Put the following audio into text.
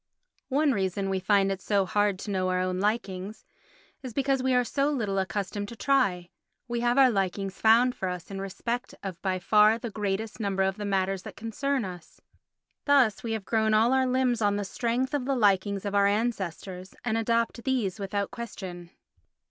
One reason why we find it so hard to know our own likings is because we are so little accustomed to try; we have our likings found for us in respect of by far the greater number of the matters that concern us; thus we have grown all our limbs on the strength of the likings of our ancestors and adopt these without question.